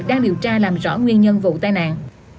đang điều tra làm rõ nguyên nhân vụ tai nạn